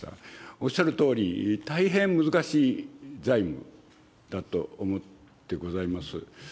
おっしゃるとおり、大変難しい財務だと思ってございます。